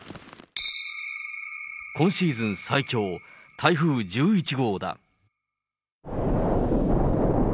今シーズン最強、台風１１号だ。